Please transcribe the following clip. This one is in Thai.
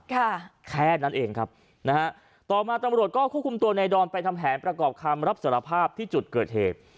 แค่นั้นเองครับนะฮะต่อมาตำรวจก็ควบคุมตัวในดอนไปทำแผนประกอบคำรับสารภาพที่จุดเกิดเหตุ